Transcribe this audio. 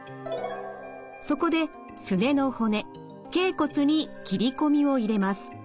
そこですねの骨けい骨に切り込みを入れます。